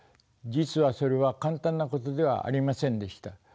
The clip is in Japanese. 実はそれは簡単なことではありませんでした。